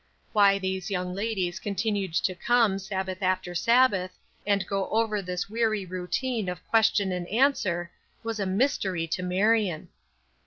Why these young ladies continued to come Sabbath after Sabbath, and go over this weary routine of question and answer was a mystery to Marion.